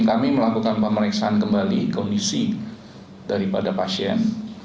dan kami melakukan pemeriksaan kembali kondisi daripada pasien